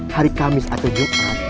hari kamis atau jumat